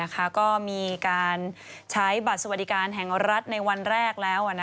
ก็มีการใช้บัตรสวัสดิการแห่งรัฐในวันแรกแล้ว